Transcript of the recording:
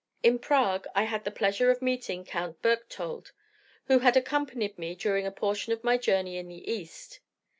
In Prague I had the pleasure of meeting Count Berchthold, who had accompanied me during a portion of my journey in the East.